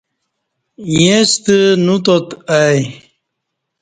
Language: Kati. ییݩستہ نو تات آئی۔